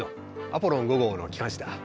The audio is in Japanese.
アポロン５号の機関士だ。